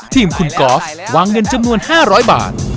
ทีมคุณกอล์ฟวางเงินจำนวน๕๐๐บาท